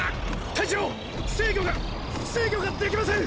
隊長制御が制御ができません。